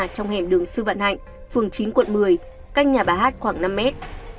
trong hẻm đường sư vận hạnh phường chín quận một mươi canh nhà bà hát khoảng năm mét